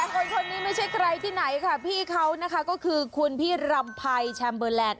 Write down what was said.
คนนี้ไม่ใช่ใครที่ไหนค่ะพี่เขานะคะก็คือคุณพี่รำภัยแชมเบอร์แลนด